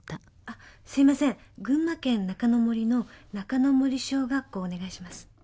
すいません群馬県中之森の中之森小学校お願いします。